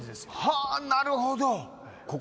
はぁなるほど！